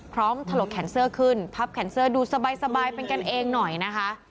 ถลกแคนเซอร์ขึ้นพับแคนเซอร์ดูสบายเป็นกันเองหน่อยนะคะ